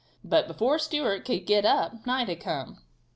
But before Stewart could get up, night had come.